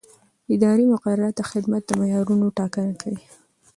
اداري مقررات د خدمت د معیارونو ټاکنه کوي.